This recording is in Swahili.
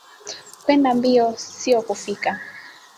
Kwenda mbio siyo kufika